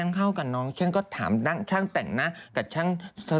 ตอนเมื่อเรย์เข้ากับน้องผมก็ถามช่างแต่งหน้ากับช่างซื้อ